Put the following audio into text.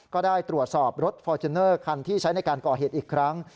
ก็ได้ตรวจสอบรถฟอร์จูเนอร์คันที่ใช้ในการก่อเหตุอีกครั้ง